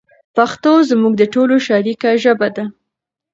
پښتو زموږ د ټولو شریکه ژبه ده.